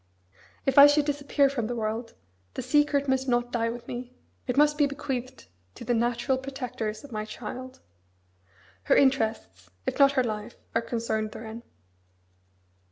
If I should disappear from the world, the secret must not die with me. It must be bequeathed to the natural protectors of my child. Her interests, if not her life, are concerned therein.